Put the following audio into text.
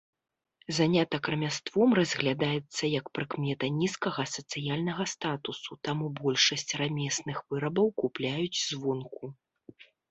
Занятак рамяством разглядаецца як прыкмета нізкага сацыяльнага статусу, таму большасць рамесных вырабаў купляюць звонку.